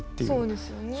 そうですよね。